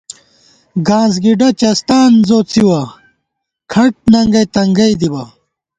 گانس گِڈہ چستان زوڅِوَہ ، کھٹ ننگئ تنگئ دِبہ